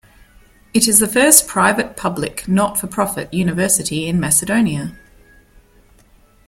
It is the first private-public not for profit university in Macedonia.